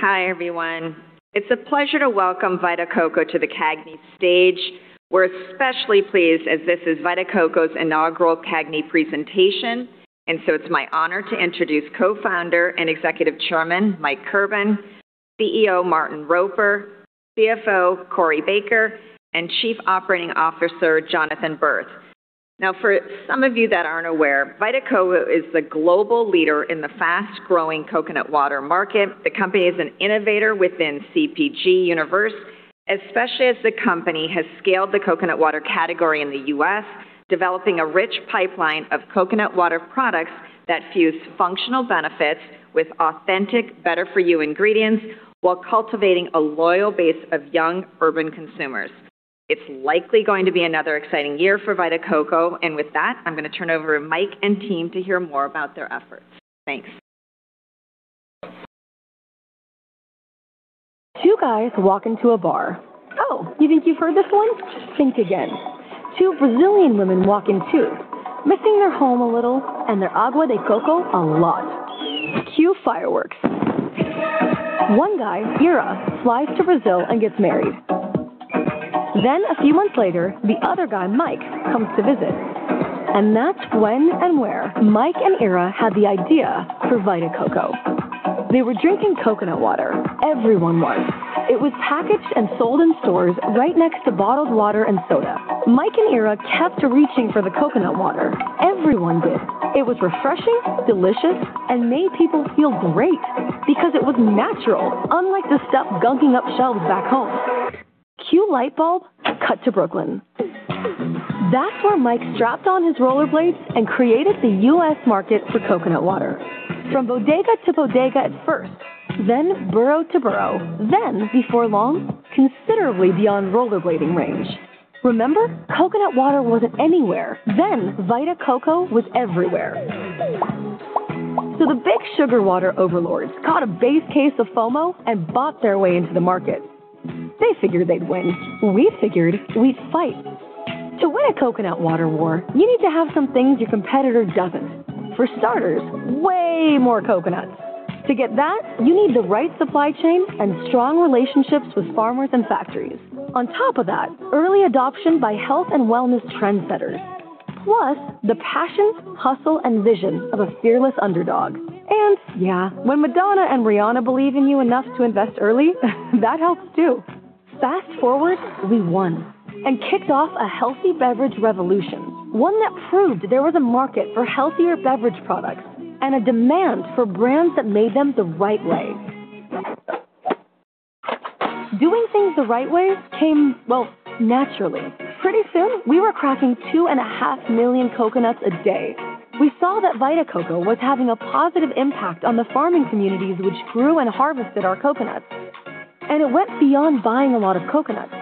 Hi, everyone. It's a pleasure to welcome Vita Coco to the CAGNY stage. We're especially pleased as this is Vita Coco's inaugural CAGNY presentation, and so it's my honor to introduce Co-Founder and Executive Chairman, Mike Kirban; CEO, Martin Roper; CFO, Corey Baker; and Chief Operating Officer, Jonathan Burth. Now, for some of you that aren't aware, Vita Coco is the global leader in the fast-growing coconut water market. The company is an innovator within CPG universe, especially as the company has scaled the coconut water category in the U.S., developing a rich pipeline of coconut water products that fuse functional benefits with authentic, better-for-you ingredients, while cultivating a loyal base of young urban consumers. It's likely going to be another exciting year for Vita Coco, and with that, I'm gonna turn it over to Mike and team to hear more about their efforts. Thanks. Two guys walk into a bar. Oh, you think you've heard this one? Just think again. Two Brazilian women walk in, too, missing their home a little and their água de coco a lot. Cue fireworks. One guy, Ira, flies to Brazil and gets married. Then, a few months later, the other guy, Mike, comes to visit, and that's when and where Mike and Ira had the idea for Vita Coco. They were drinking coconut water. Everyone was. It was packaged and sold in stores right next to bottled water and soda. Mike and Ira kept reaching for the coconut water. Everyone did. It was refreshing, delicious, and made people feel great because it was natural, unlike the stuff gunking up shelves back home. Cue light bulb, cut to Brooklyn. That's where Mike strapped on his rollerblades and created the U.S. market for coconut water, from bodega to bodega at first, then borough to borough, then, before long, considerably beyond rollerblading range. Remember, coconut water wasn't anywhere, then Vita Coco was everywhere. So the big sugar water overlords got a base case of FOMO and bought their way into the market. They figured they'd win. We figured we'd fight. To win a coconut water war, you need to have some things your competitor doesn't. For starters, way more coconuts. To get that, you need the right supply chain and strong relationships with farmers and factories. On top of that, early adoption by health and wellness trendsetters, plus the passion, hustle, and vision of a fearless underdog. Yeah, when Madonna and Rihanna believe in you enough to invest early, that helps, too. Fast forward, we won and kicked off a healthy beverage revolution, one that proved there was a market for healthier beverage products and a demand for brands that made them the right way. Doing things the right way came, well, naturally. Pretty soon, we were cracking 2.5 million coconuts a day. We saw that Vita Coco was having a positive impact on the farming communities which grew and harvested our coconuts, and it went beyond buying a lot of coconuts.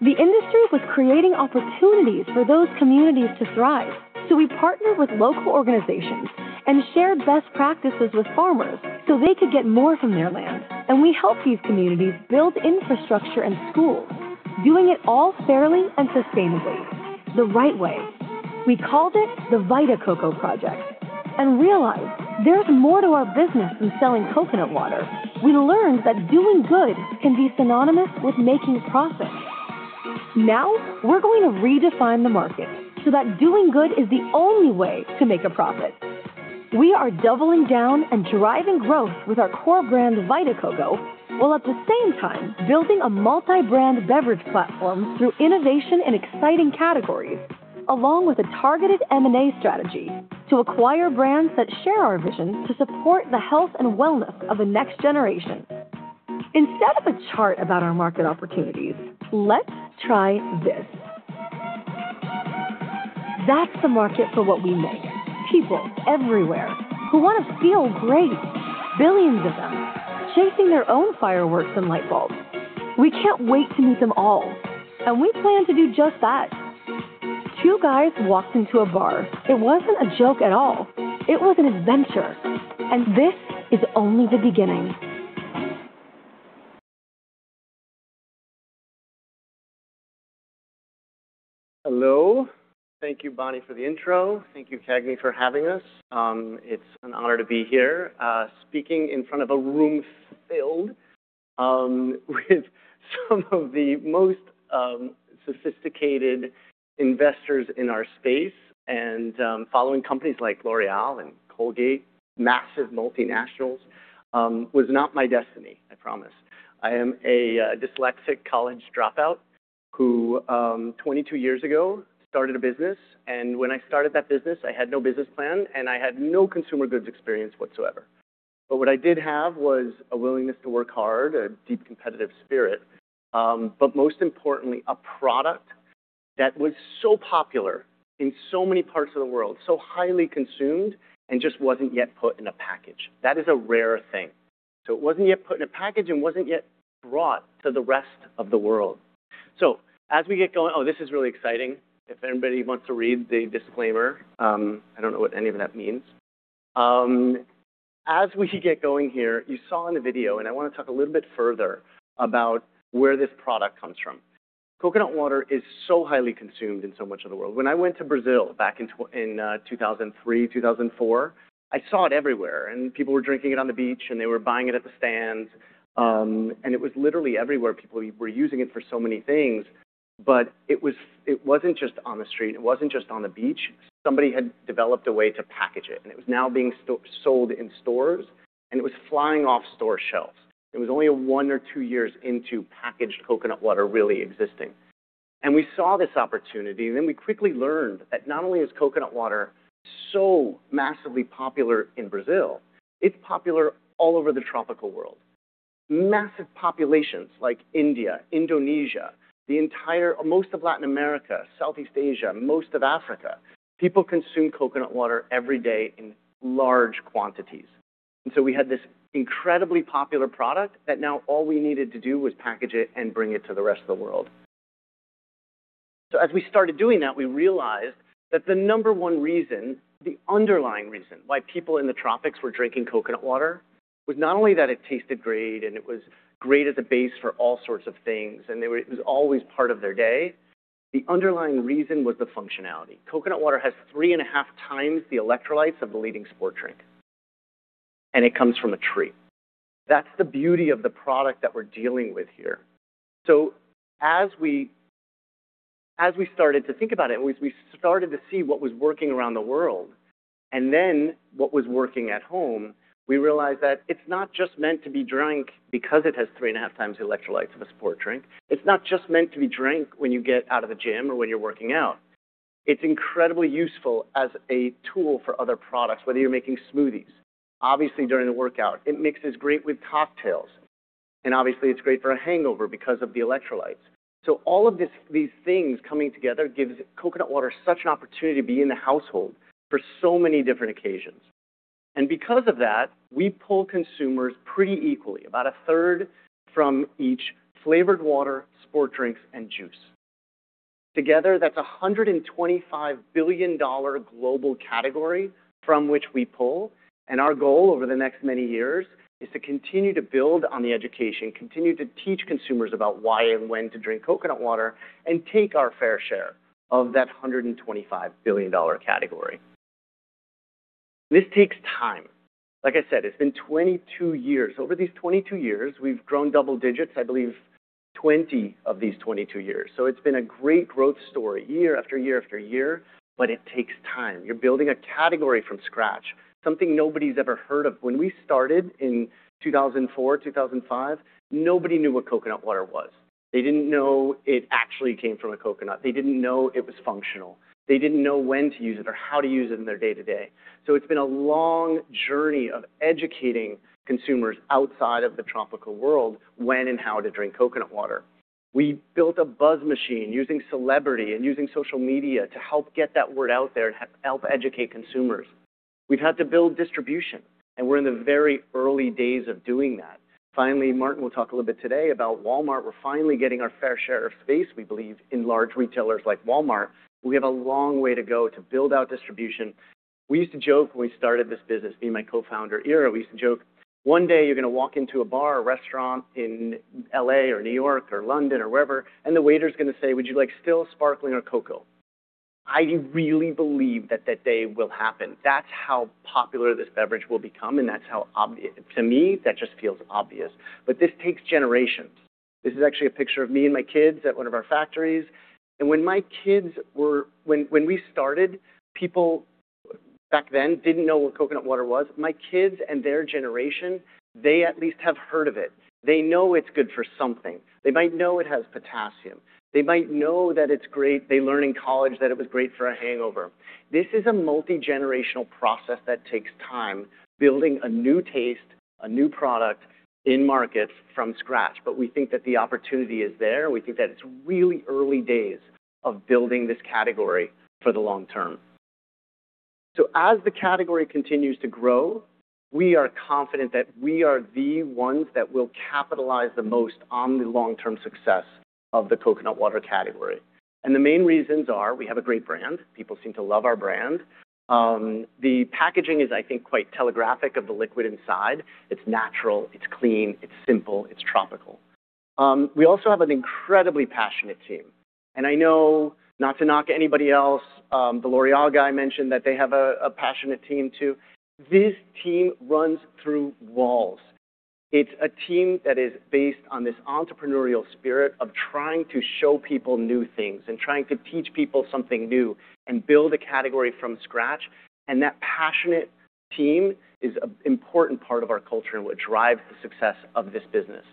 The industry was creating opportunities for those communities to thrive, so we partnered with local organizations and shared best practices with farmers so they could get more from their land, and we helped these communities build infrastructure and schools, doing it all fairly and sustainably, the right way. We called it the Vita Coco Project and realized there's more to our business than selling coconut water. We learned that doing good can be synonymous with making profit. Now, we're going to redefine the market so that doing good is the only way to make a profit. We are doubling down and driving growth with our core brand, Vita Coco, while at the same time building a multi-brand beverage platform through innovation and exciting categories, along with a targeted M&A strategy to acquire brands that share our vision to support the health and wellness of a next generation. Instead of a chart about our market opportunities, let's try this. That's the market for what we make, people everywhere who want to feel great, billions of them, chasing their own fireworks and light bulbs. We can't wait to meet them all, and we plan to do just that. Two guys walked into a bar. It wasn't a joke at all. It was an adventure, and this is only the beginning. Hello. Thank you, Bonnie, for the intro. Thank you, CAGNY, for having us. It's an honor to be here, speaking in front of a room filled with some of the most sophisticated investors in our space and following companies like L'Oréal and Colgate. Massive multinationals was not my destiny, I promise. I am a dyslexic college dropout who 22 years ago started a business, and when I started that business, I had no business plan, and I had no consumer goods experience whatsoever. But what I did have was a willingness to work hard, a deep competitive spirit, but most importantly, a product that was so popular in so many parts of the world, so highly consumed, and just wasn't yet put in a package. That is a rare thing. So it wasn't yet put in a package and wasn't yet brought to the rest of the world. So as we get going... Oh, this is really exciting. If anybody wants to read the disclaimer, I don't know what any of that means. As we get going here, you saw in the video, and I wanna talk a little bit further about where this product comes from. Coconut water is so highly consumed in so much of the world. When I went to Brazil back in 2003, 2004, I saw it everywhere, and people were drinking it on the beach, and they were buying it at the stands. And it was literally everywhere. People were using it for so many things, but it wasn't just on the street, it wasn't just on the beach. Somebody had developed a way to package it, and it was now being sold in stores, and it was flying off store shelves. It was only one or two years into packaged coconut water really existing. And we saw this opportunity, and then we quickly learned that not only is coconut water so massively popular in Brazil, it's popular all over the tropical world. Massive populations like India, Indonesia, the entire... most of Latin America, Southeast Asia, most of Africa, people consume coconut water every day in large quantities. And so we had this incredibly popular product that now all we needed to do was package it and bring it to the rest of the world. So as we started doing that, we realized that the number one reason, the underlying reason, why people in the tropics were drinking coconut water, was not only that it tasted great and it was great as a base for all sorts of things, it was always part of their day. The underlying reason was the functionality. Coconut water has three and a half times the electrolytes of the leading sports drink, and it comes from a tree. That's the beauty of the product that we're dealing with here. So as we started to think about it, we started to see what was working around the world and then what was working at home. We realized that it's not just meant to be drank because it has three and a half times the electrolytes of a sports drink. It's not just meant to be drunk when you get out of the gym or when you're working out. It's incredibly useful as a tool for other products, whether you're making smoothies, obviously during a workout, it mixes great with cocktails, and obviously it's great for a hangover because of the electrolytes. So all of these things coming together gives coconut water such an opportunity to be in the household for so many different occasions. And because of that, we pull consumers pretty equally, about a third from each flavored water, sports drinks, and juice. Together, that's a $125 billion global category from which we pull, and our goal over the next many years is to continue to build on the education, continue to teach consumers about why and when to drink coconut water, and take our fair share of that $125 billion global category. This takes time. Like I said, it's been 22 years. Over these 22 years, we've grown double digits, I believe 20 of these 22 years. So it's been a great growth story year after year after year, but it takes time. You're building a category from scratch, something nobody's ever heard of. When we started in 2004, 2005, nobody knew what coconut water was. They didn't know it actually came from a coconut. They didn't know it was functional. They didn't know when to use it or how to use it in their day-to-day. So it's been a long journey of educating consumers outside of the tropical world when and how to drink coconut water. We built a buzz machine using celebrity and using social media to help get that word out there and help educate consumers. We've had to build distribution, and we're in the very early days of doing that. Finally, Martin will talk a little bit today about Walmart. We're finally getting our fair share of space, we believe, in large retailers like Walmart. We have a long way to go to build out distribution. We used to joke when we started this business, me and my co-founder, Ira. We used to joke, "One day you're gonna walk into a bar or restaurant in L.A. or New York or London or wherever, and the waiter is gonna say, 'Would you like still, sparkling, or coco?'" I really believe that that day will happen. That's how popular this beverage will become, and that's how obvious. To me, that just feels obvious. But this takes generations. This is actually a picture of me and my kids at one of our factories. And when we started, people back then didn't know what coconut water was. My kids and their generation, they at least have heard of it. They know it's good for something. They might know it has potassium. They might know that it's great. They learned in college that it was great for a hangover. This is a multi-generational process that takes time, building a new taste, a new product in markets from scratch. But we think that the opportunity is there. We think that it's really early days of building this category for the long term. So as the category continues to grow, we are confident that we are the ones that will capitalize the most on the long-term success of the coconut water category. And the main reasons are we have a great brand. People seem to love our brand. The packaging is, I think, quite telegraphic of the liquid inside. It's natural, it's clean, it's simple, it's tropical. We also have an incredibly passionate team, and I know, not to knock anybody else, the L'Oréal guy mentioned that they have a passionate team too. This team runs through walls. It's a team that is based on this entrepreneurial spirit of trying to show people new things and trying to teach people something new and build a category from scratch. That passionate team is an important part of our culture and what drives the success of this business.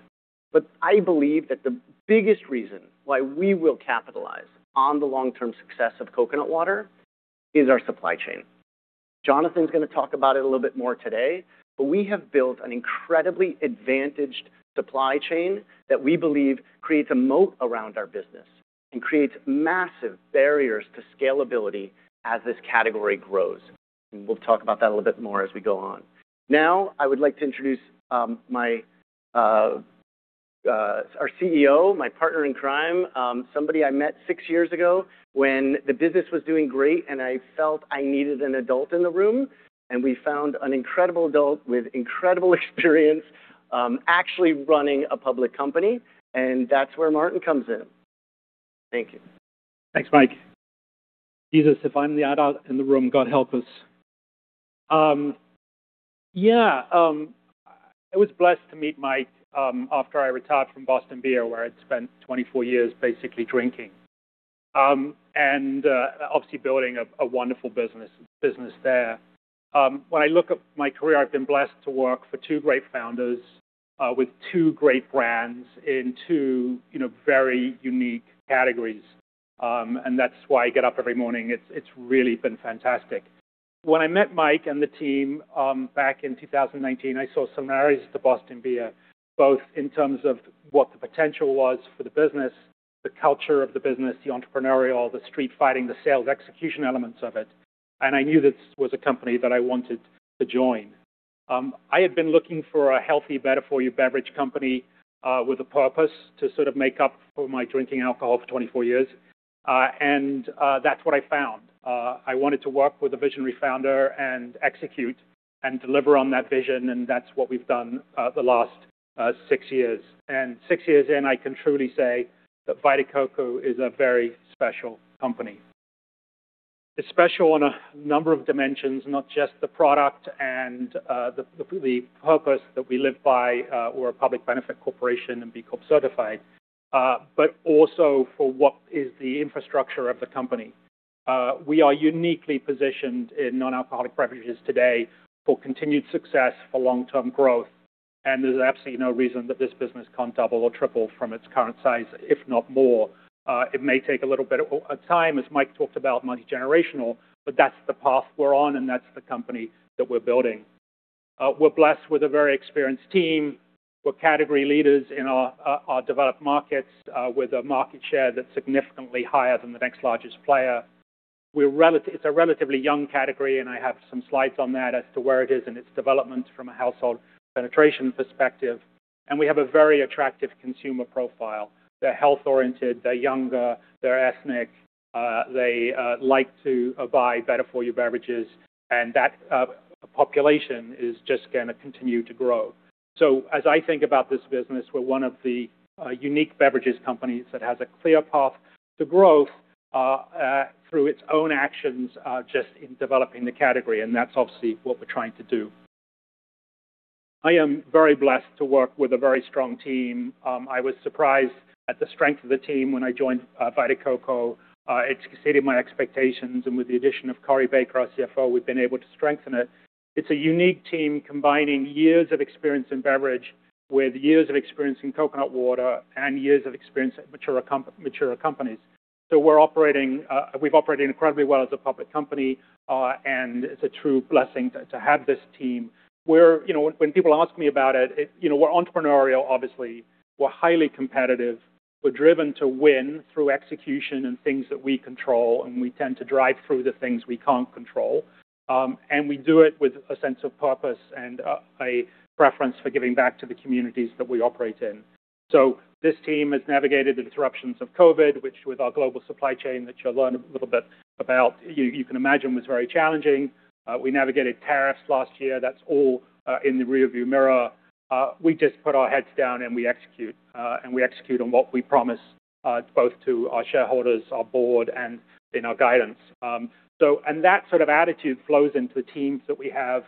I believe that the biggest reason why we will capitalize on the long-term success of coconut water is our supply chain. Jonathan's gonna talk about it a little bit more today, but we have built an incredibly advantaged supply chain that we believe creates a moat around our business and creates massive barriers to scalability as this category grows. We'll talk about that a little bit more as we go on. Now, I would like to introduce my our CEO, my partner in crime, somebody I met six years ago when the business was doing great, and I felt I needed an adult in the room, and we found an incredible adult with incredible experience, actually running a public company, and that's where Martin comes in. Thank you. Thanks, Mike. Jesus, if I'm the adult in the room, God help us! Yeah, I was blessed to meet Mike after I retired from Boston Beer, where I'd spent 24 years basically drinking and obviously building a wonderful business there. When I look up my career, I've been blessed to work for two great founders with two great brands in two, you know, very unique categories. And that's why I get up every morning. It's really been fantastic. When I met Mike and the team back in 2019, I saw similarities to Boston Beer, both in terms of what the potential was for the business, the culture of the business, the entrepreneurial, street fighting, sales execution elements of it, and I knew this was a company that I wanted to join. I had been looking for a healthy, better for you beverage company, with a purpose to sort of make up for my drinking alcohol for 24 years. That's what I found. I wanted to work with a visionary founder and execute and deliver on that vision, and that's what we've done, the last six years. Six years in, I can truly say that Vita Coco is a very special company. It's special on a number of dimensions, not just the product and the purpose that we live by, we're a public benefit corporation and B Corp certified, but also for what is the infrastructure of the company. We are uniquely positioned in non-alcoholic beverages today for continued success, for long-term growth, and there's absolutely no reason that this business can't double or triple from its current size, if not more. It may take a little bit of time, as Mike talked about, multigenerational, but that's the path we're on, and that's the company that we're building. We're blessed with a very experienced team. We're category leaders in our developed markets with a market share that's significantly higher than the next largest player. It's a relatively young category, and I have some slides on that as to where it is in its development from a household penetration perspective. We have a very attractive consumer profile. They're health-oriented, they're younger, they're ethnic, they like to buy better-for-you beverages, and that population is just gonna continue to grow. So as I think about this business, we're one of the unique beverages companies that has a clear path to growth through its own actions just in developing the category, and that's obviously what we're trying to do. I am very blessed to work with a very strong team. I was surprised at the strength of the team when I joined Vita Coco. It exceeded my expectations, and with the addition of Corey Baker, our CFO, we've been able to strengthen it. It's a unique team, combining years of experience in beverage with years of experience in coconut water and years of experience at mature companies. So we're operating, we've operated incredibly well as a public company, and it's a true blessing to have this team. You know, when people ask me about it, you know, we're entrepreneurial, obviously. We're highly competitive. We're driven to win through execution and things that we control, and we tend to drive through the things we can't control. And we do it with a sense of purpose and a preference for giving back to the communities that we operate in. So this team has navigated the disruptions of COVID, which with our global supply chain, that you'll learn a little bit about, you can imagine, was very challenging. We navigated tariffs last year. That's all in the rearview mirror. We just put our heads down and we execute, and we execute on what we promise, both to our shareholders, our board, and in our guidance. So, and that sort of attitude flows into the teams that we have.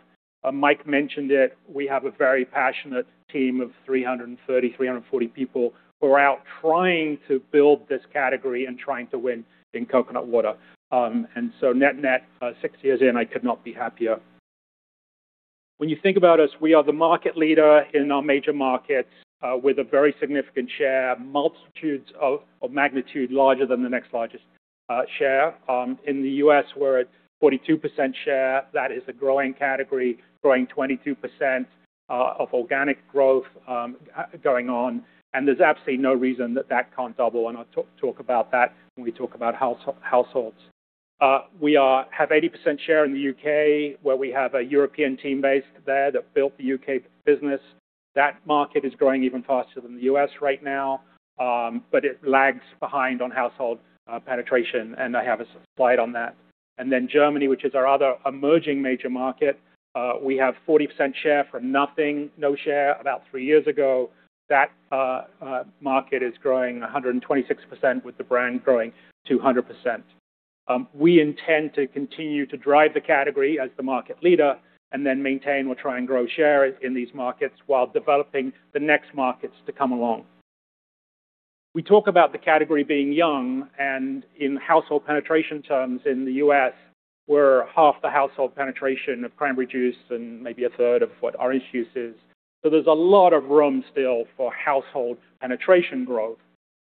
Mike mentioned it, we have a very passionate team of 340 people, who are out trying to build this category and trying to win in coconut water. And so net-net, six years in, I could not be happier. When you think about us, we are the market leader in our major markets, with a very significant share, multitudes of magnitude larger than the next largest share. In the U.S., we're at 42% share. That is a growing category, growing 22% of organic growth going on, and there's absolutely no reason that that can't double, and I'll talk about that when we talk about households. We have 80% share in the U.K., where we have a European team based there that built the U.K. business. That market is growing even faster than the U.S. right now, but it lags behind on household penetration, and I have a slide on that. And then Germany, which is our other emerging major market, we have 40% share for nothing, no share about three years ago. That market is growing 126%, with the brand growing 200%. We intend to continue to drive the category as the market leader and then maintain or try and grow share in these markets while developing the next markets to come along. We talk about the category being young and in household penetration terms, in the U.S., we're half the household penetration of cranberry juice and maybe a third of what orange juice is. There's a lot of room still for household penetration growth.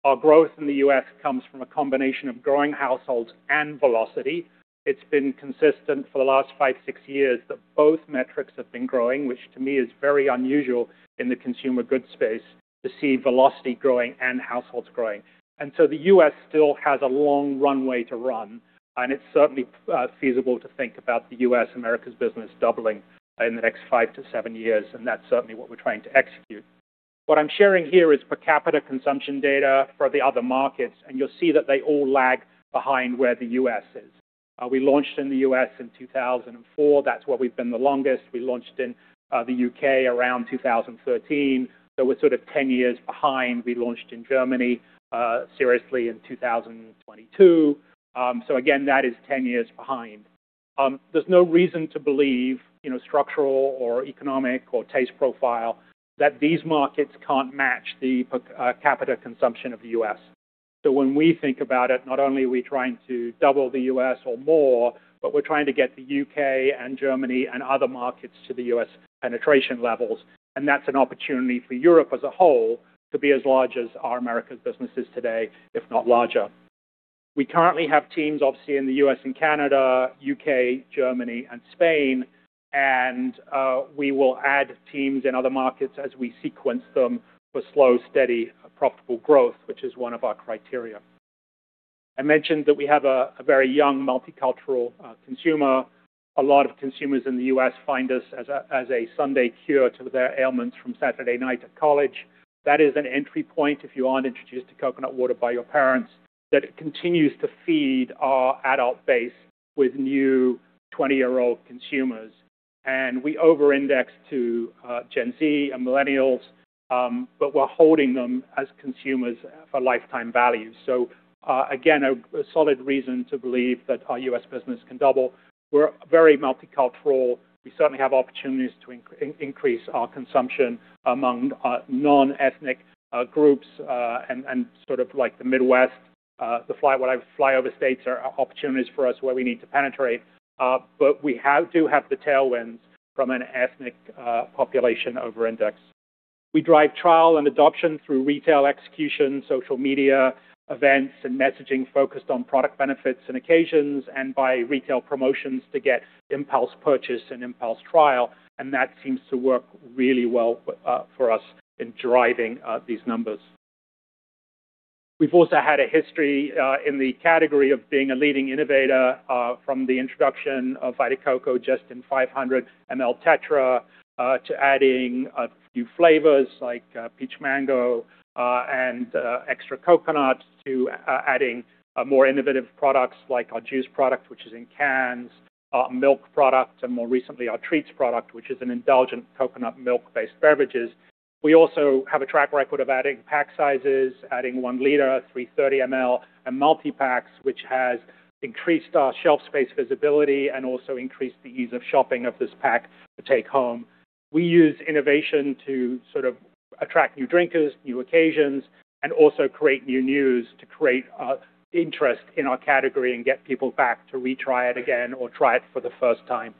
Our growth in the U.S. comes from a combination of growing households and velocity. It's been consistent for the last five, six years that both metrics have been growing, which to me is very unusual in the consumer goods space, to see velocity growing and households growing. And so the U.S. still has a long runway to run, and it's certainly feasible to think about the U.S. Americas business doubling in the next five, seven years, and that's certainly what we're trying to execute. What I'm sharing here is per capita consumption data for the other markets, and you'll see that they all lag behind where the U.S. is. We launched in the U.S. in 2004. That's where we've been the longest. We launched in the U.K. around 2013, so we're sort of 10 years behind. We launched in Germany seriously in 2022. So again, that is 10 years behind. There's no reason to believe, you know, structural or economic or taste profile, that these markets can't match the per capita consumption of the U.S. So when we think about it, not only are we trying to double the U.S. or more, but we're trying to get the U.K. and Germany and other markets to the U.S. penetration levels, and that's an opportunity for Europe as a whole to be as large as our Americas businesses today, if not larger. We currently have teams, obviously, in the U.S. and Canada, U.K., Germany, and Spain, and we will add teams in other markets as we sequence them for slow, steady, profitable growth, which is one of our criteria. I mentioned that we have a very young, multicultural consumer. A lot of consumers in the U.S. find us as a Sunday cure to their ailments from Saturday night at college. That is an entry point. If you aren't introduced to coconut water by your parents, that it continues to feed our adult base with new 20-year-old consumers. And we over-index to Gen Z and Millennials, but we're holding them as consumers for lifetime value. So, again, a solid reason to believe that our U.S. business can double. We're very multicultural. We certainly have opportunities to increase our consumption among non-ethnic groups, and sort of like the Midwest. Flyover states are opportunities for us where we need to penetrate. But we have to have the tailwinds from an ethnic population over index. We drive trial and adoption through retail execution, social media, events, and messaging focused on product benefits and occasions, and by retail promotions to get impulse purchase and impulse trial, and that seems to work really well for us in driving these numbers. We've also had a history in the category of being a leading innovator from the introduction of Vita Coco just in 500 ml Tetra to adding a few flavors like peach mango and extra coconut, to adding more innovative products like our juice product, which is in cans, milk product, and more recently, our treats product, which is an indulgent coconut milk-based beverages. We also have a track record of adding pack sizes, adding one liter, 330 ml, and multi-packs, which has increased our shelf space visibility and also increased the ease of shopping of this pack to take home. We use innovation to sort of attract new drinkers, new occasions, and also create new news to create interest in our category and get people back to retry it again or try it for the first time.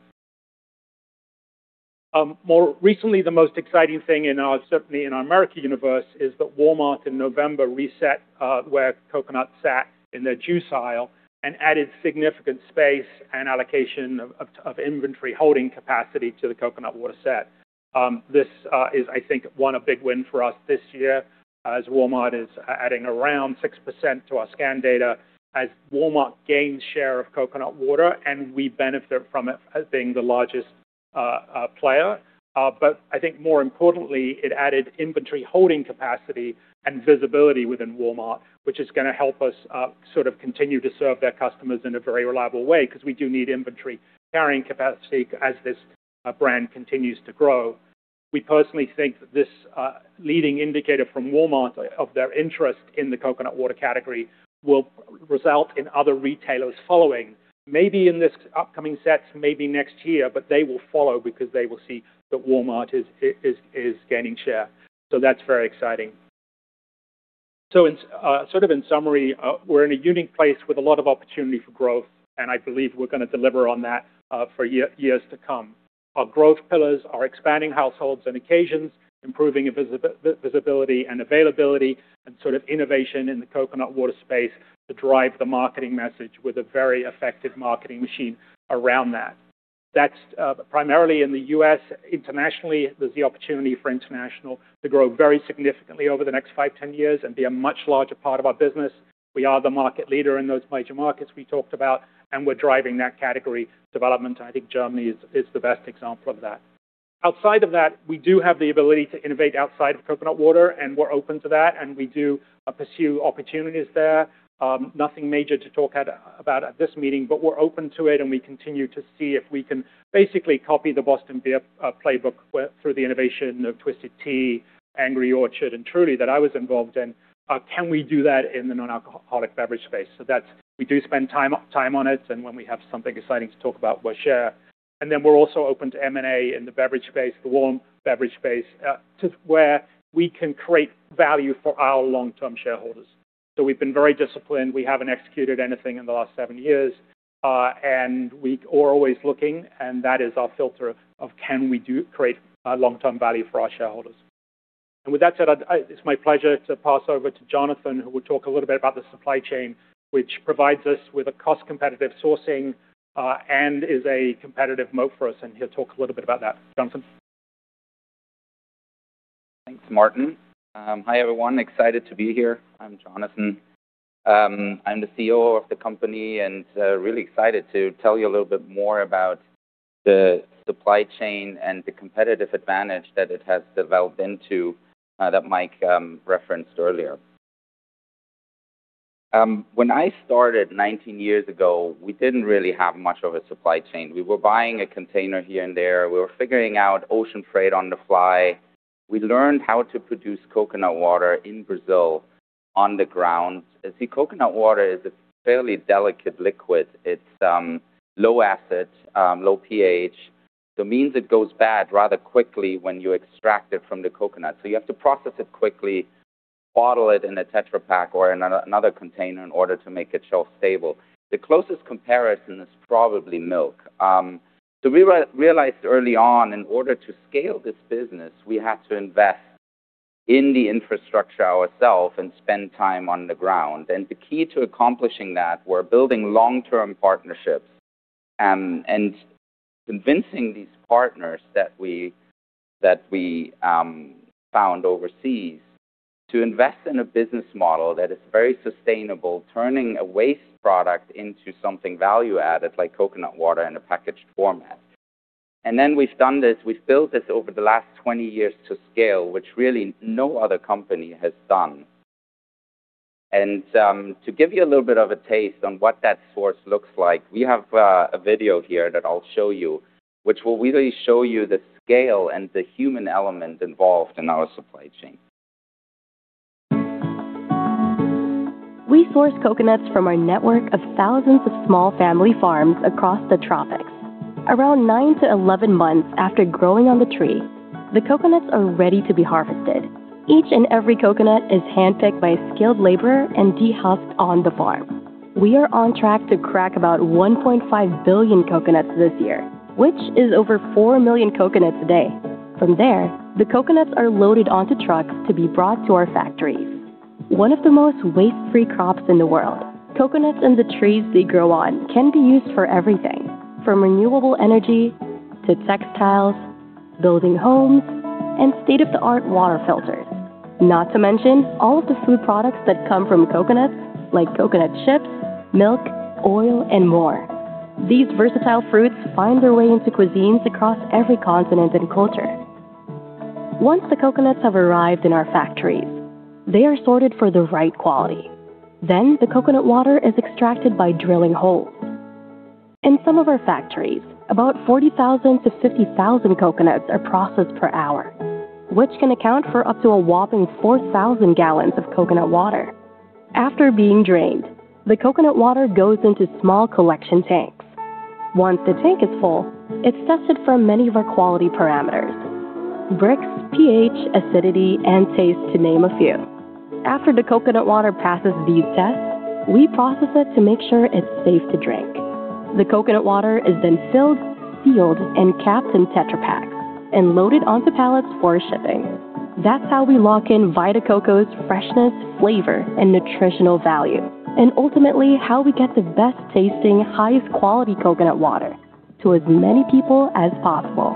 More recently, the most exciting thing in our, certainly in our America universe, is that Walmart in November reset where coconut sat in their juice aisle and added significant space and allocation of inventory holding capacity to the coconut water set. This is, I think, one a big win for us this year, as Walmart is adding around 6% to our scan data as Walmart gains share of coconut water, and we benefit from it as being the largest player. But I think more importantly, it added inventory holding capacity and visibility within Walmart, which is gonna help us sort of continue to serve their customers in a very reliable way, because we do need inventory carrying capacity as this brand continues to grow. We personally think that this leading indicator from Walmart, of their interest in the coconut water category, will result in other retailers following, maybe in this upcoming sets, maybe next year, but they will follow because they will see that Walmart is gaining share. So that's very exciting. So in sort of in summary, we're in a unique place with a lot of opportunity for growth, and I believe we're gonna deliver on that for years to come. Our growth pillars are expanding households and occasions, improving visibility and availability, and sort of innovation in the coconut water space to drive the marketing message with a very effective marketing machine around that. That's primarily in the U.S. Internationally, there's the opportunity for international to grow very significantly over the next five, 10 years and be a much larger part of our business. We are the market leader in those major markets we talked about, and we're driving that category development. I think Germany is the best example of that. Outside of that, we do have the ability to innovate outside of coconut water, and we're open to that, and we do pursue opportunities there. Nothing major to talk about at this meeting, but we're open to it, and we continue to see if we can basically copy the Boston Beer playbook through the innovation of Twisted Tea, Angry Orchard, and Truly, that I was involved in. Can we do that in the non-alcoholic beverage space? So that's... We do spend time on it, and when we have something exciting to talk about, we'll share. And then we're also open to M&A in the beverage space, the warm beverage space, to where we can create value for our long-term shareholders. So we've been very disciplined. We haven't executed anything in the last seven years, and we are always looking, and that is our filter of can we create long-term value for our shareholders? With that said, it's my pleasure to pass over to Jonathan, who will talk a little bit about the supply chain, which provides us with a cost-competitive sourcing, and is a competitive moat for us, and he'll talk a little bit about that. Jonathan? Thanks, Martin. Hi, everyone. Excited to be here. I'm Jonathan. I'm the CEO of the company and really excited to tell you a little bit more about. The supply chain and the competitive advantage that it has developed into that Mike referenced earlier. When I started 19 years ago, we didn't really have much of a supply chain. We were buying a container here and there. We were figuring out ocean freight on the fly. We learned how to produce coconut water in Brazil on the ground. You see, coconut water is a fairly delicate liquid. It's low acid, low pH, so means it goes bad rather quickly when you extract it from the coconut. So you have to process it quickly, bottle it in a Tetra Pak or another container in order to make it shelf stable. The closest comparison is probably milk. So we realized early on, in order to scale this business, we had to invest in the infrastructure ourselves and spend time on the ground. The key to accomplishing that were building long-term partnerships and convincing these partners that we found overseas to invest in a business model that is very sustainable, turning a waste product into something value-added, like coconut water in a packaged format. Then we've done this. We've built this over the last 20 years to scale, which really no other company has done. To give you a little bit of a taste on what that source looks like, we have a video here that I'll show you, which will really show you the scale and the human element involved in our supply chain. We source coconuts from our network of thousands of small family farms across the tropics. Around nine-11 months after growing on the tree, the coconuts are ready to be harvested. Each and every coconut is handpicked by a skilled laborer and dehusked on the farm. We are on track to crack about 1.5 billion coconuts this year, which is over four million coconuts a day. From there, the coconuts are loaded onto trucks to be brought to our factories. One of the most waste-free crops in the world, coconuts and the trees they grow on can be used for everything, from renewable energy to textiles, building homes, and state-of-the-art water filters. Not to mention all of the food products that come from coconuts, like coconut chips, milk, oil, and more. These versatile fruits find their way into cuisines across every continent and culture. Once the coconuts have arrived in our factories, they are sorted for the right quality. Then the coconut water is extracted by drilling holes. In some of our factories, about 40,000-50,000 coconuts are processed per hour, which can account for up to a whopping 4,000 gallons of coconut water. After being drained, the coconut water goes into small collection tanks. Once the tank is full, it's tested for many of our quality parameters, Brix, pH, acidity, and taste, to name a few. After the coconut water passes these tests, we process it to make sure it's safe to drink. The coconut water is then filled, sealed, and capped in Tetra Paks and loaded onto pallets for shipping. That's how we lock in Vita Coco's freshness, flavor, and nutritional value, and ultimately, how we get the best-tasting, highest quality coconut water to as many people as possible.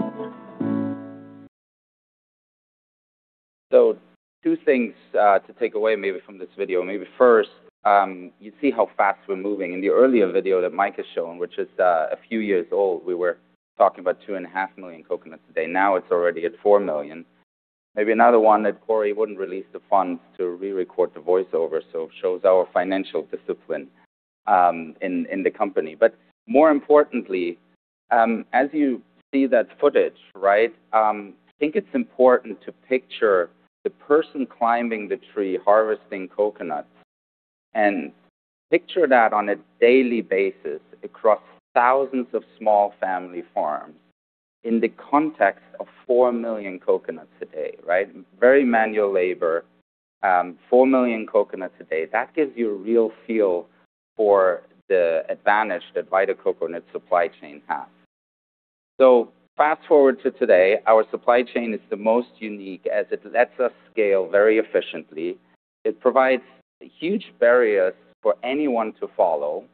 So two things to take away maybe from this video. Maybe first, you see how fast we're moving. In the earlier video that Mike has shown, which is a few years old, we were talking about 2.5 million coconuts a day. Now it's already at four million. Maybe another one, that Corey wouldn't release the funds to re-record the voiceover, so shows our financial discipline in the company. But more importantly, as you see that footage, right, I think it's important to picture the person climbing the tree, harvesting coconuts, and picture that on a daily basis across thousands of small family farms in the context of four million coconuts a day, right? Very manual labor, four million coconuts a day. That gives you a real feel for the advantage that Vita Coco and its supply chain have. So fast-forward to today, our supply chain is the most unique as it lets us scale very efficiently. It provides huge barriers for anyone to follow,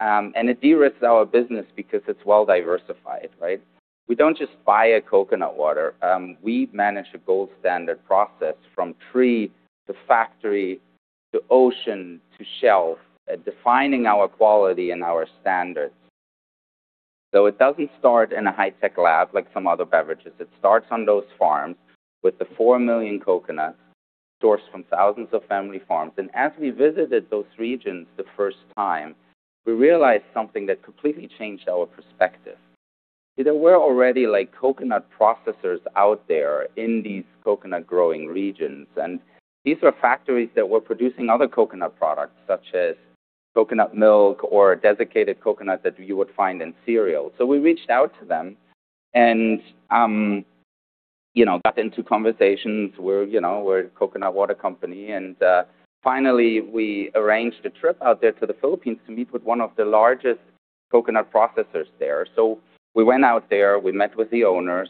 and it de-risks our business because it's well diversified, right? We don't just buy a coconut water. We manage a gold standard process from tree to factory to ocean to shelf at defining our quality and our standards. So it doesn't start in a high-tech lab like some other beverages. It starts on those farms with the four million coconuts sourced from thousands of family farms. And as we visited those regions the first time, we realized something that completely changed our perspective. There were already, like, coconut processors out there in these coconut-growing regions, and these were factories that were producing other coconut products, such as coconut milk or desiccated coconut that you would find in cereal. So we reached out to them and, you know, got into conversations. We're, you know, we're a coconut water company, and, finally, we arranged a trip out there to the Philippines to meet with one of the largest coconut processors there. So we went out there, we met with the owners.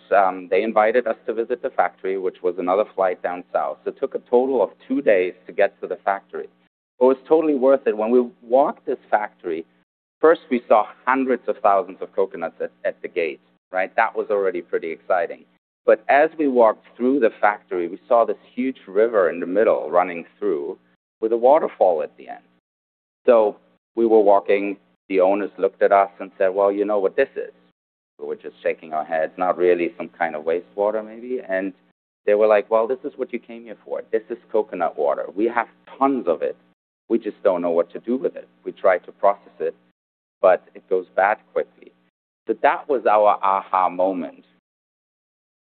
They invited us to visit the factory, which was another flight down south. So it took a total of two days to get to the factory, but it was totally worth it. When we walked this factory, first, we saw hundreds of thousands of coconuts at the gate, right? That was already pretty exciting. But as we walked through the factory, we saw this huge river in the middle running through with a waterfall at the end... So we were walking, the owners looked at us and said, "Well, you know what this is?" We're just shaking our heads, not really some kind of wastewater, maybe. And they were like, "Well, this is what you came here for. This is coconut water. We have tons of it. We just don't know what to do with it. We tried to process it, but it goes bad quickly." So that was our aha moment,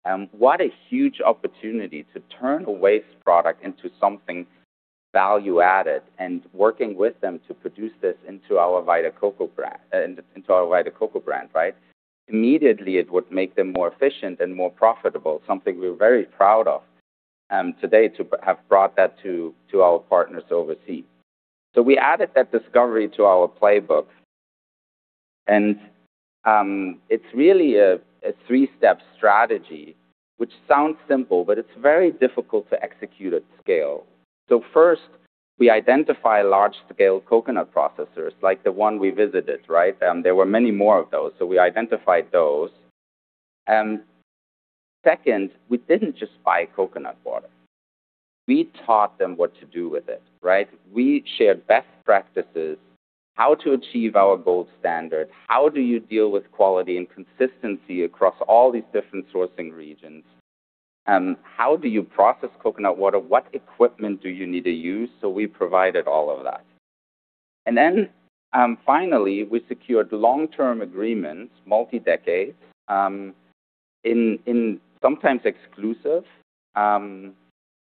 and what a huge opportunity to turn a waste product into something value-added and working with them to produce this into our Vita Coco brand, into our Vita Coco brand, right? Immediately, it would make them more efficient and more profitable, something we're very proud of, today, to have brought that to our partners overseas. So we added that discovery to our playbook, and it's really a three-step strategy, which sounds simple, but it's very difficult to execute at scale. So first, we identify large-scale coconut processors, like the one we visited, right? There were many more of those, so we identified those. And second, we didn't just buy coconut water. We taught them what to do with it, right? We shared best practices, how to achieve our gold standard, how do you deal with quality and consistency across all these different sourcing regions, how do you process coconut water? What equipment do you need to use? So we provided all of that. And then, finally, we secured long-term agreements, multi-decade, sometimes exclusive,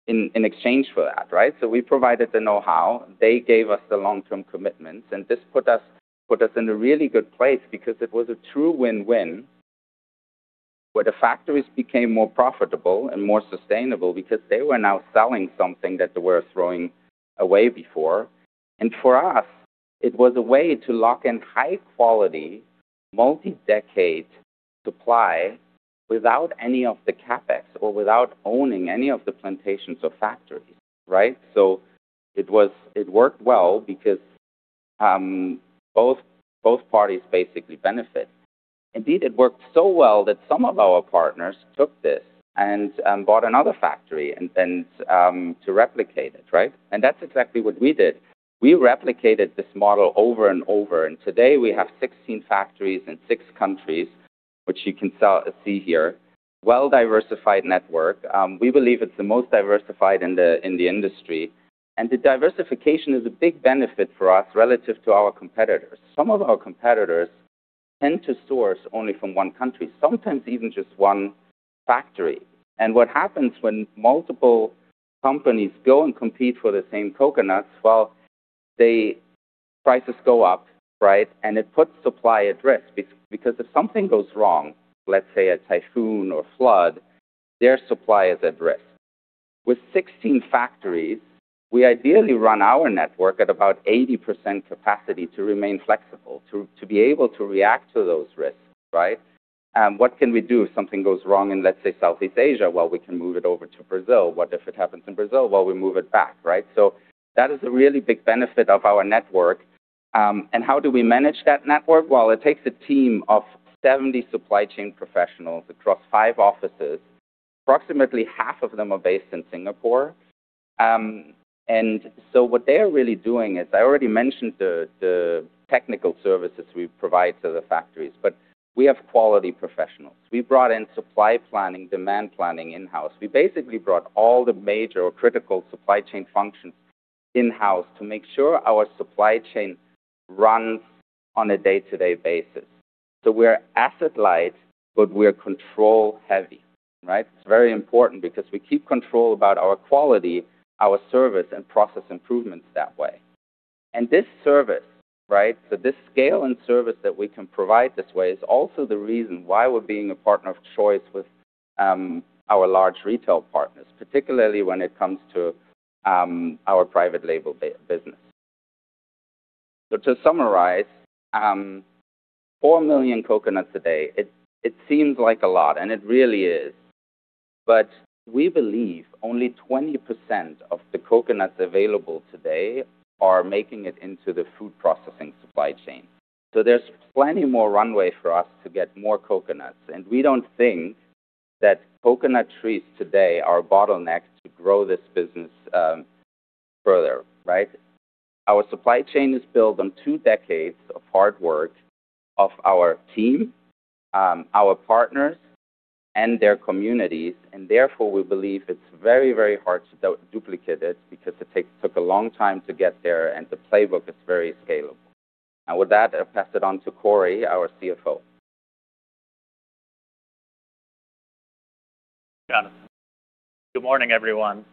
in exchange for that, right? So we provided the know-how, they gave us the long-term commitments, and this put us in a really good place because it was a true win-win, where the factories became more profitable and more sustainable because they were now selling something that they were throwing away before. And for us, it was a way to lock in high quality, multi-decade supply without any of the CapEx or without owning any of the plantations or factories, right? So it was. It worked well because both parties basically benefit. Indeed, it worked so well that some of our partners took this and bought another factory and then to replicate it, right? And that's exactly what we did. We replicated this model over and over, and today we have 16 factories in 6 countries, which you can see here, well-diversified network. We believe it's the most diversified in the industry, and the diversification is a big benefit for us relative to our competitors. Some of our competitors tend to source only from one country, sometimes even just one factory. And what happens when multiple companies go and compete for the same coconuts? Well, the prices go up, right? And it puts supply at risk, because if something goes wrong, let's say a typhoon or flood, their supply is at risk. With 16 factories, we ideally run our network at about 80% capacity to remain flexible, to be able to react to those risks, right? What can we do if something goes wrong in, let's say, Southeast Asia? Well, we can move it over to Brazil. What if it happens in Brazil? Well, we move it back, right? So that is a really big benefit of our network. And how do we manage that network? Well, it takes a team of 70 supply chain professionals across five offices. Approximately half of them are based in Singapore. And so what they are really doing is, I already mentioned the technical services we provide to the factories, but we have quality professionals. We brought in supply planning, demand planning in-house. We basically brought all the major or critical supply chain functions in-house to make sure our supply chain runs on a day-to-day basis. So we're asset light, but we're control heavy, right? It's very important because we keep control about our quality, our service, and process improvements that way. This service, right, so this scale and service that we can provide this way is also the reason why we're being a partner of choice with our large retail partners, particularly when it comes to our private label business. So to summarize, four million coconuts a day, it seems like a lot, and it really is, but we believe only 20% of the coconuts available today are making it into the food processing supply chain. So there's plenty more runway for us to get more coconuts, and we don't think that coconut trees today are a bottleneck to grow this business further, right? Our supply chain is built on two decades of hard work of our team, our partners, and their communities, and therefore, we believe it's very, very hard to duplicate it because it took a long time to get there, and the playbook is very scalable. With that, I'll pass it on to Corey, our CFO. Good morning, everyone.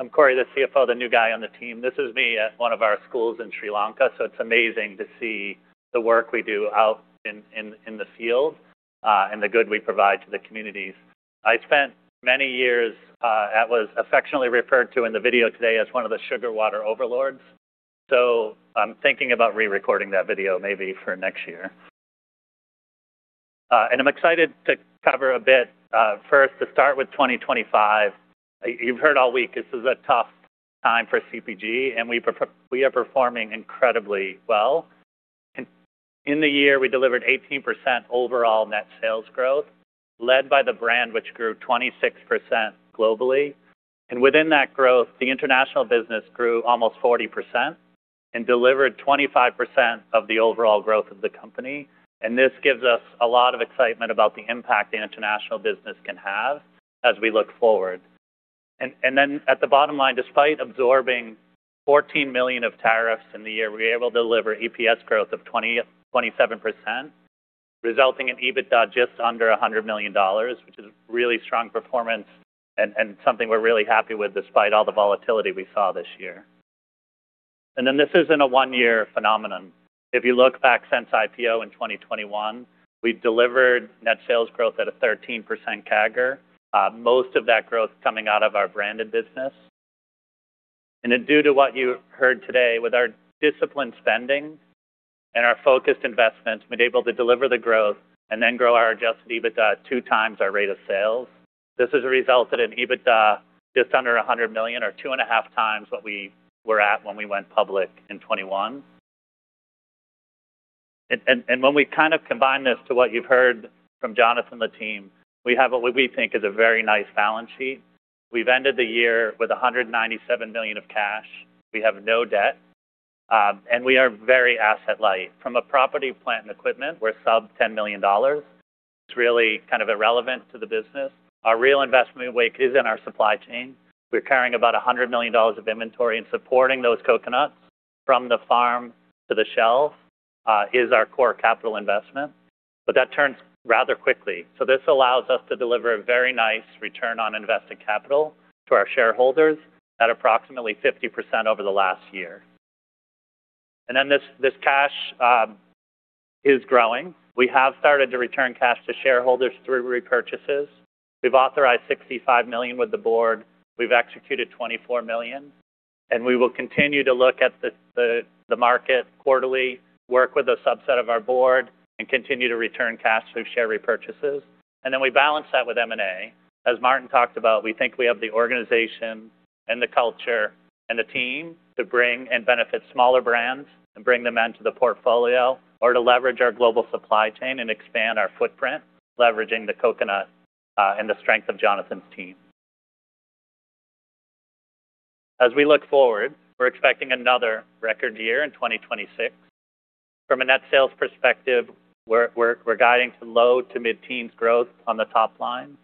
I'm Corey, the CFO, the new guy on the team. This is me at one of our schools in Sri Lanka, so it's amazing to see the work we do out in the field, and the good we provide to the communities. I spent many years, that was affectionately referred to in the video today as one of the sugar water overlords, so I'm thinking about re-recording that video maybe for next year. And I'm excited to cover a bit, first, to start with 2025. You've heard all week, this is a tough time for CPG, and we're, we are performing incredibly well. In the year, we delivered 18% overall net sales growth, led by the brand, which grew 26% globally. Within that growth, the international business grew almost 40% and delivered 25% of the overall growth of the company. This gives us a lot of excitement about the impact the international business can have as we look forward. Then at the bottom line, despite absorbing $14 million of tariffs in the year, we were able to deliver EPS growth of 27%, resulting in EBITDA just under $100 million, which is really strong performance and something we're really happy with, despite all the volatility we saw this year. Then this isn't a one-year phenomenon. If you look back since IPO in 2021, we've delivered net sales growth at a 13% CAGR. Most of that growth coming out of our branded business. And then due to what you heard today, with our disciplined spending and our focused investments, we've been able to deliver the growth and then grow our adjusted EBITDA 2 x our rate of sales. This has resulted in EBITDA just under $100 million, or 2.5x what we were at when we went public in 2021. And when we kind of combine this to what you've heard from Jonathan and the team, we have what we think is a very nice balance sheet. We've ended the year with $197 million of cash. We have no debt, and we are very asset light. From a property, plant, and equipment, we're sub $10 million. It's really kind of irrelevant to the business. Our real investment weight is in our supply chain. We're carrying about $100 million of inventory and supporting those coconuts from the farm to the shelf is our core capital investment, but that turns rather quickly. So this allows us to deliver a very nice return on invested capital to our shareholders at approximately 50% over the last year. And then this cash is growing. We have started to return cash to shareholders through repurchases. We've authorized $65 million with the board. We've executed $24 million, and we will continue to look at the market quarterly, work with a subset of our board, and continue to return cash through share repurchases. And then we balance that with M&A. As Martin talked about, we think we have the organization and the culture and the team to bring and benefit smaller brands and bring them into the portfolio, or to leverage our global supply chain and expand our footprint, leveraging the coconut, and the strength of Jonathan's team. As we look forward, we're expecting another record year in 2026. From a net sales perspective, we're guiding to low- to mid-teens growth on the top line.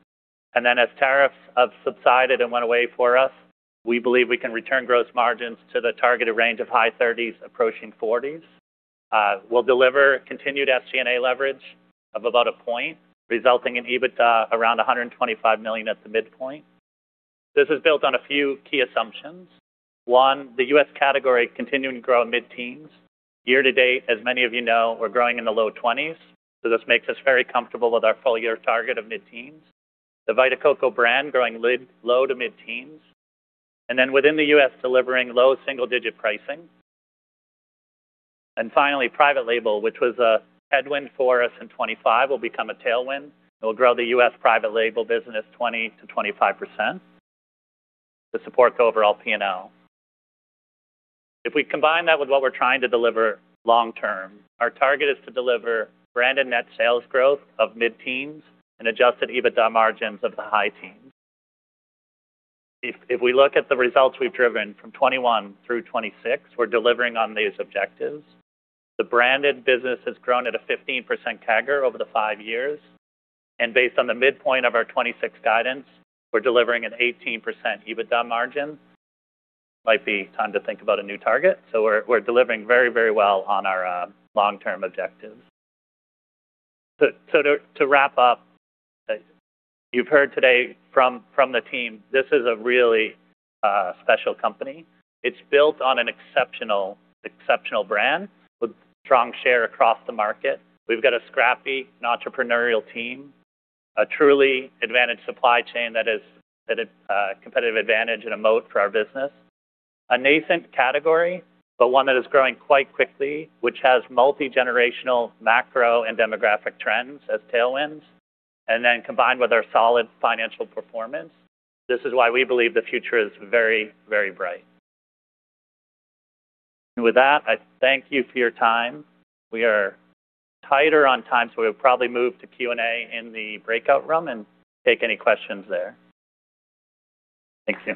And then as tariffs have subsided and went away for us, we believe we can return gross margins to the targeted range of high 30s%, approaching 40s%. We'll deliver continued SG&A leverage of about a point, resulting in EBITDA around $125 million at the midpoint. This is built on a few key assumptions. One, the U.S. category continuing to grow at mid-teens. Year to date, as many of you know, we're growing in the low 20s, so this makes us very comfortable with our full year target of mid-teens. The Vita Coco brand growing low-to-mid-teens, and then within the U.S., delivering low single-digit pricing. And finally, private label, which was a headwind for us in 2025, will become a tailwind. We'll grow the U.S. private label business 20%-25% to support the overall P&L. If we combine that with what we're trying to deliver long term, our target is to deliver branded net sales growth of mid-teens and adjusted EBITDA margins of the high teens. If we look at the results we've driven from 2021 through 2026, we're delivering on these objectives. The branded business has grown at a 15% CAGR over the 5 years, and based on the midpoint of our 2026 guidance, we're delivering an 18% EBITDA margin. Might be time to think about a new target. So we're, we're delivering very, very well on our long-term objectives. So, so to, to wrap up, you've heard today from, from the team, this is a really special company. It's built on an exceptional, exceptional brand with strong share across the market. We've got a scrappy and entrepreneurial team, a truly advantaged supply chain that is at a competitive advantage and a moat for our business. A nascent category, but one that is growing quite quickly, which has multi-generational macro and demographic trends as tailwinds, and then combined with our solid financial performance, this is why we believe the future is very, very bright. With that, I thank you for your time. We are tighter on time, so we'll probably move to Q&A in the breakout room and take any questions there. Thank you.